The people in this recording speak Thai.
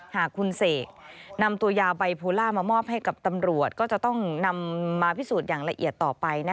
หากคุณเสกนำตัวยาไบโพล่ามามอบให้กับตำรวจก็จะต้องนำมาพิสูจน์อย่างละเอียดต่อไป